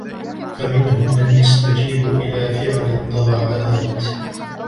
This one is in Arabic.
فَمِنْهُمْ مَنْ يَسْتَجِيبُ إلَى فِعْلِ الطَّاعَاتِ